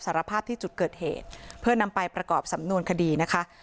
สารภาพที่จุดเกิดเหตุเพื่อนำไปประกอบสำนวนคดีนะคะ